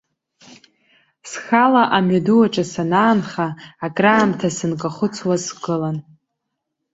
Схала амҩаду аҿы санаанха, акраамҭа сынкахәыцуа сгылан.